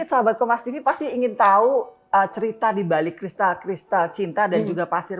sahabat ke mas diki pasti ingin tahu cerita di balik kristal kristal cinta dan juga pasir